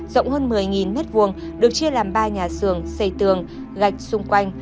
rộng hơn một mươi m hai được chia làm ba nhà xưởng xây tường gạch xung quanh